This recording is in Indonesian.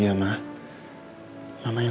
ah saya tabur tabur